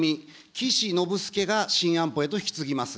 岸信介が新安保へと引き継ぎます。